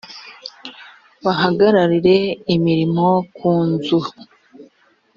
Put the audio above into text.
bahagararire imirimo ku nzu